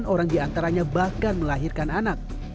delapan orang diantaranya bahkan melahirkan anak